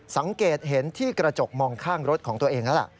สังเกตเห็นที่กระจกมองข้างรถของตัวเองแล้วล่ะ